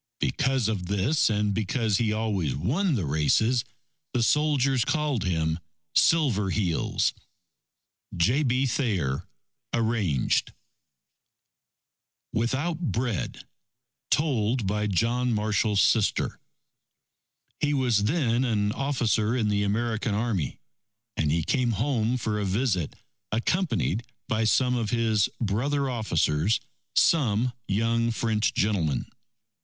Because of this and because he always won the races, the soldiers called him: "Silver Heels." J. B. Thayer (Arranged) WITHOUT BREAD Told by John Marshall's Sister He was then an officer in the American Army, and he came home for a visit, accompanied by some of his brother officers, some young French gentlemen.